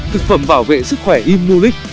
thực phẩm bảo vệ sức khỏe imulit